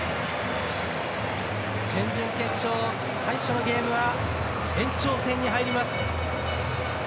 準々決勝、最初のゲームは延長戦に入ります。